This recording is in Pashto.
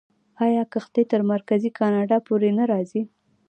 آیا کښتۍ تر مرکزي کاناډا پورې نه راځي؟